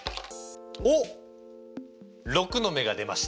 おっ６の目が出ました。